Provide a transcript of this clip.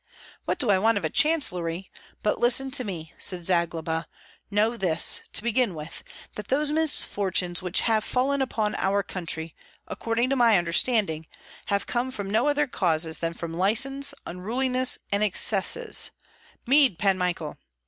"What do I want of a chancellery? But listen to me!" said Zagloba. "Know this, to begin with, that those misfortunes which have fallen upon our country, according to my understanding, have come from no other causes than from license, unruliness, and excesses Mead, Pan Michael!